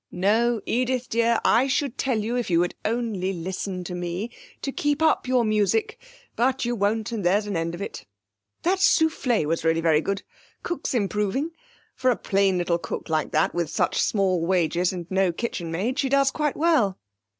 No, Edith dear, I should tell you, if you would only listen to me, to keep up your music, but you won't and there's an end of it...That soufflé was really very good. Cook's improving. For a plain little cook like that, with such small wages, and no kitchenmaid, she does quite well.'